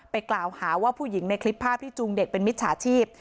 กล่าวหาว่าผู้หญิงในคลิปภาพที่จูงเด็กเป็นมิจฉาชีพ